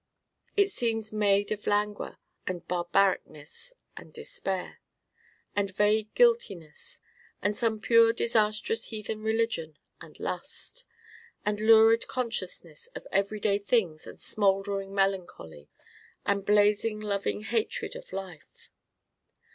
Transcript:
It seems made of languor and barbaricness and despair: and vague guiltiness, and some pure disastrous heathen religion, and lust: and lurid consciousness of everyday things and smouldering melancholy and blazing loving hatred of life.